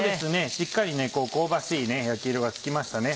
しっかり香ばしい焼き色がつきましたね。